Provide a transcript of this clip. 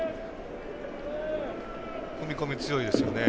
踏み込み、強いですよね。